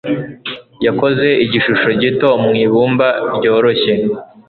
Yakoze igishusho gito mu ibumba ryoroshye.